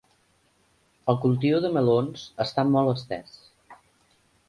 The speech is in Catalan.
El cultiu de melons està molt estès.